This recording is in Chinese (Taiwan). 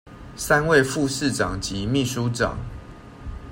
三位副市長及秘書長